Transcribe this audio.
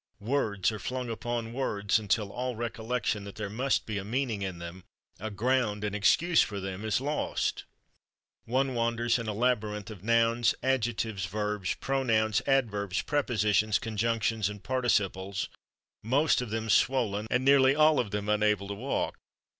Words are flung upon words until all recollection that there must be a meaning in them, a ground and excuse for them, is lost. One wanders in a labyrinth of nouns, adjectives, verbs, pronouns, adverbs, prepositions, conjunctions and participles, most of them swollen and nearly all of them unable to walk.